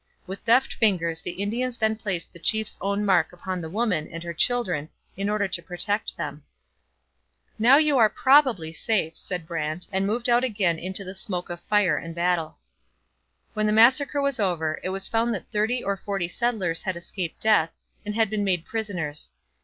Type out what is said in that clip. With deft fingers the Indians then placed the chief's own mark upon the woman and her children in order to protect them. 'You are now probably safe,' said Brant and moved out again into the smoke of fire and battle. When the massacre was over, it was found that thirty or forty settlers had escaped death and had been made prisoners.